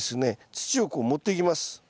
土をこう盛っていきます。